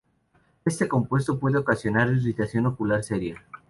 Este compuesto puede ocasionar irritación ocular seria.